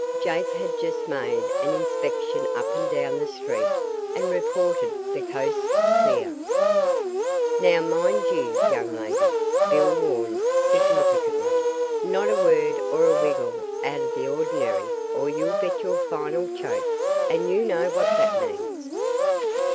Jake had just made an inspection up and down the street and reported the coast clear. "Now, mind you, young lady," Bill warned significantly; "not a word or a wiggle out o' the ordinary or you'll get your final choke, and you know what that means."